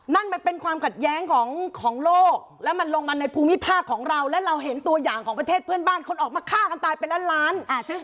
นั่นมันเป็นความขัดแย้งของโลกแล้วมันลงมาในภูมิภาคของเราและเราเห็นตัวอย่างของประเทศเพื่อนบ้านคนออกมาฆ่ากันตายเป็นล้านล้าน